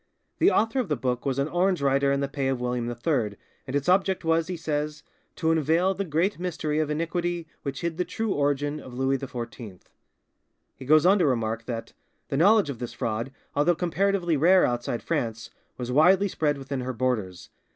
The author of the book was an Orange writer in the pay of William III, and its object was, he says, "to unveil the great mystery of iniquity which hid the true origin of Louis XIV." He goes on to remark that "the knowledge of this fraud, although comparatively rare outside France, was widely spread within her borders.